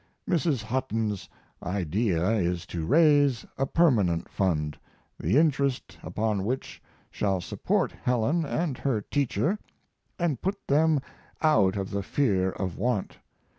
Mrs. Hutton's idea is to raise a permanent fund, the interest upon which shall support Helen & her teacher & put them out of the fear of want.